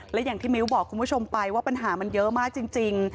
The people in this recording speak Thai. และอย่างที่มิ้วบอกคุณผู้ชมไปว่าปัญหามันเยอะมากจริง